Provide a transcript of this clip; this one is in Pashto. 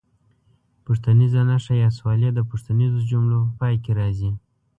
پوښتنیزه نښه یا سوالیه د پوښتنیزو جملو په پای کې راځي.